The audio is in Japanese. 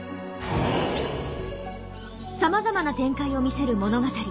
さまざまな展開を見せる物語。